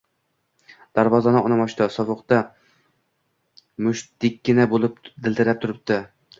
Darvozani onam ochdi. Sovuqda mushtdekkina bo'lib dildirab turibdi.